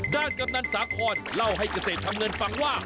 กำนันสาคอนเล่าให้เกษตรทำเงินฟังว่า